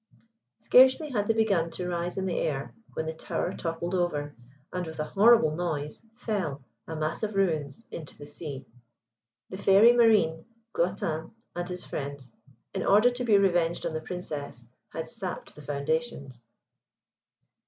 Scarcely had they begun to rise in the air, when the tower toppled over, and, with a horrible noise, fell, a mass of ruins, into the sea. The Fairy Marine, Gluantin, and his friends, in order to be revenged on the Princess, had sapped the foundations.